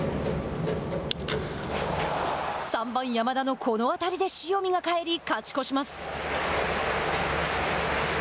三番山田のこの当たりで塩見が帰り勝ち越します。